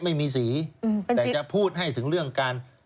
ไม่มีสีแต่จะพูดให้ถึงเรื่องการ